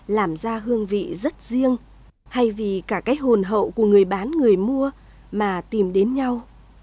làm ra hương vị rất riêng thay vì cả cái hồn hậu của người bán người mua mà tìm đến nhau